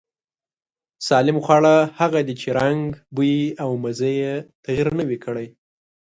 سالم خواړه هغه دي چې رنگ، بوی او مزې يې تغير نه وي کړی.